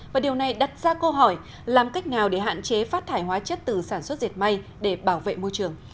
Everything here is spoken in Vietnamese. và điều này đặt ra câu hỏi làm cách nào để hạn chế phát thải hóa chất từ sản xuất diệt may để bảo vệ môi trường